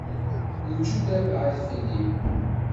Lǧuda baɛed fell-i.